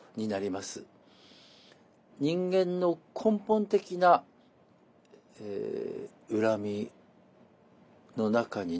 人間の根本的な恨みの中にね